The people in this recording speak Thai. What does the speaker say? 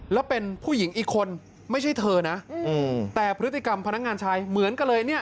แล้วเป็นผู้หญิงอีกคนไม่ใช่เธอนะแต่พฤติกรรมพนักงานชายเหมือนกันเลยเนี่ย